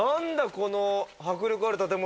この迫力ある建物。